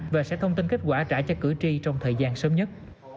và sẽ thông tin kết quả trả cho cử tri trong thời gian sớm nhất